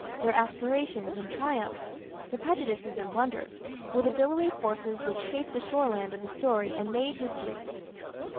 Their aspirations and triumphs, their prejudices and blunders, were the billowy forces which shaped the shoreland of the story and made history.